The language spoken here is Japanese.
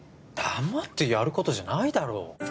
黙ってやることじゃないだろ。